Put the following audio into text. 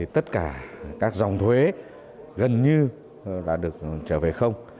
tất cả các dòng thuế gần như đã được trở về không